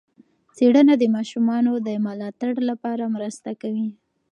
څېړنه د ماشومانو د ملاتړ لپاره مرسته کوي.